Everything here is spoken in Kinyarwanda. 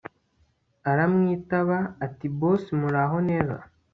aramwitaba atiboss muraho neza